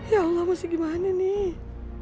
ya allah masih gimana nih